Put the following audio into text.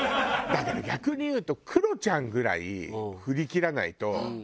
だから逆に言うとクロちゃんぐらい振り切らないとダメって事よね。